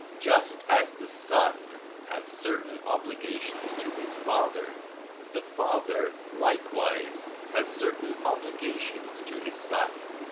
Just as the son has certain obligations to his father, the father likewise has certain obligations to his son.